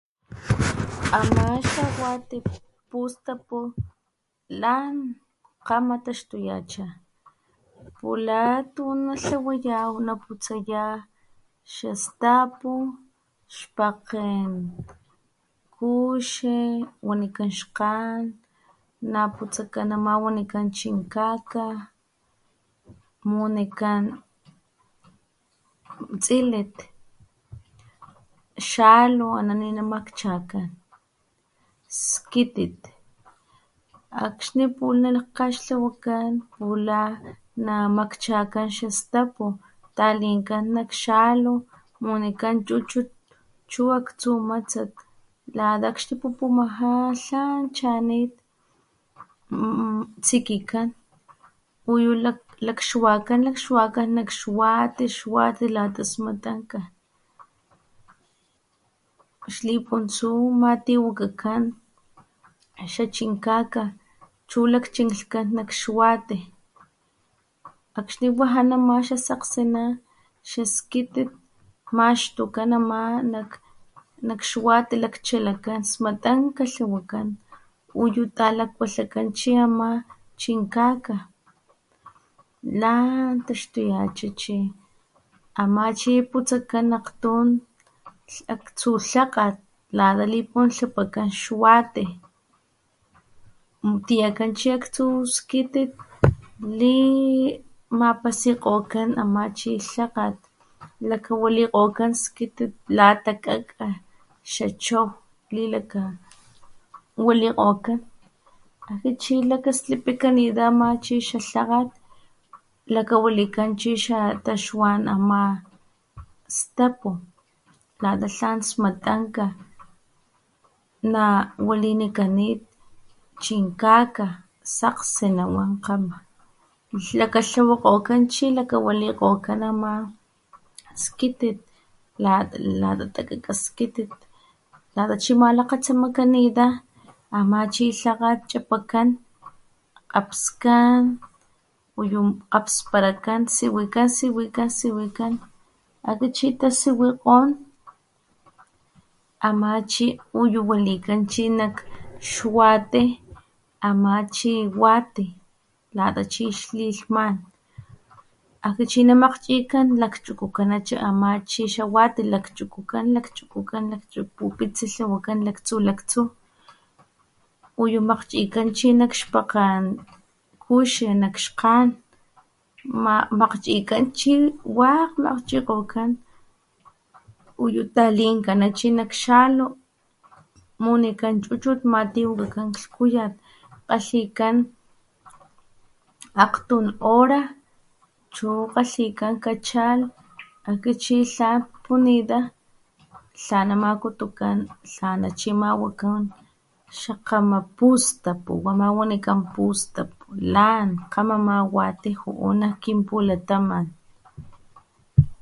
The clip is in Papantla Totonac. Ama xa wati pustapu lan kgama taxtuyacha pula tu natlawayaw naputsaya xastapu, xpakgen kuxi wanikan xkgan, naputsakan ama wanikan chinkaka, munikan tsilit, xalu ana ni namakchakan, skitit, akxni pula nakaxtlawakan pula namakchakan xastapu talinkan nak xalu munikan chuchut chu aktsu matsat lata akxni pupumaja tlan chanit mmm... tsikikan uyu lakxwakan lakxwakan nak xwati, xwati lata smatanka xlipuntsu matiwakakan xachinkaka chu lakchinlhkan nak xwati akxni wija nama xasaksina xaskitit maxtukan ama nak xwati lakchalakan smatanka tlawakan uyu talakwalhakan chi ama chinkaka lan taxtuyacha chi, ama chi putsakan akgtun aktsu lhakgat lata lipuntlapakan xwati, tiyakan chi aktsu skitit limapasikgokan ama chi lhakgat lakawalikgokan skitit latakaka xa chow lilakawalikgokan akxni chi lakaslipikanita ama chi xalhakgat lakawalikan chi xataxwan ama stapu lata tlan smatanka nawalinikanit chinkaka sakgsi nawan kgama lakatlawakgokan chi lakawalikgokan ama skitit lata takaka skitit lata chima malakgatsamakanita ama chi lhakgat chapakan kgapskan uyu kgapsparakan siwiparakan siwikan siwikan akxni chi tasiwikgon ama chi uyu walikan chi nak xwati ama chi wati lata chi xlihman akxni chi namakgchikan tlan lakgchukukan chi xawati lakchukukan pupitsi tlawakan laktsu laktsu uyu makgchikan chi nakxpakgen kuxi nak xkgan makgchikan chi wakg makgchikgokan uyu talinkana chi nak xalu munikan chuchut matiwakakan klhkuyat. Kgalhikan akgtun hora chu kgalhikan kachalh akxni chi tlan pupunita tlana makutukan tlana chima wakan xa kgama pustapu wama wanikan pustapu lan kgama ama wati ju'u nakkinpulataman.